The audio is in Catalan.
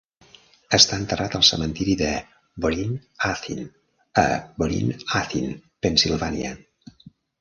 Està enterrat al Cementiri de Bryn Athyn, a Bryn Athyn, Pennsylvania.